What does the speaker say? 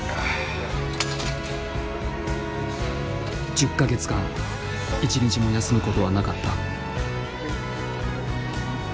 １０か月間一日も休むことはなかった。